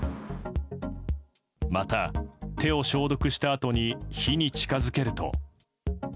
また、手を消毒したあとに火に近づけると。